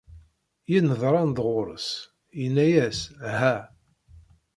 Yenneḍran-d ɣer-s, yenna-as Ha!.